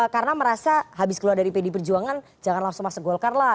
karena merasa habis keluar dari pdi perjuangan jangan langsung masuk golkar lah